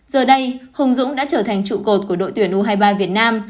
giờ đây hùng dũng đã trở thành trụ cột của đội tuyển u hai mươi ba việt nam